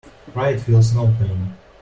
Pride feels no pain.